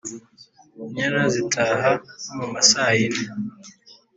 Inyana zitaha (nko mu masaa yine)